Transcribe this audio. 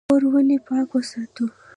کور ولې پاک وساتو؟